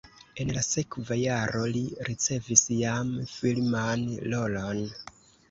En la sekva jaro li ricevis jam filman rolon.